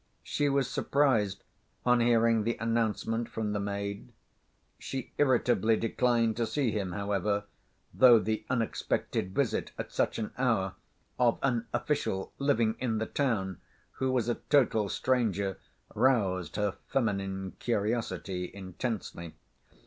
She was surprised on hearing the announcement from the maid. She irritably declined to see him, however, though the unexpected visit at such an hour, of an "official living in the town," who was a total stranger, roused her feminine curiosity intensely.